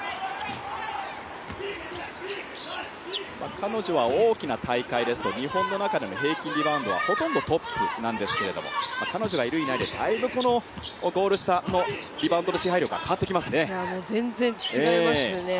彼女は大きな大会ですと日本の中の平均リバウンドはほとんどトップなんですけれども彼女がいる、いないでだいぶこのゴール下のリバウンドの支配力は全然違いますね。